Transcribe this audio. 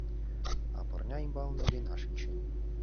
А пырня ӱмбалне Лена шинчен.